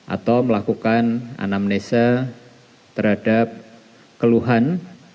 atau melakukan anamnesa terhadap keluhan